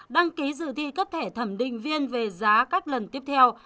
đăng ký dự thi cấp thẻ thẩm định viên về giá các lần tiếp theo